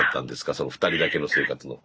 その２人だけの生活の。